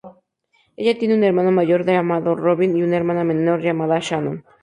Ella tiene un hermano mayor llamado Robyn y una hermana menor llamada Shannon.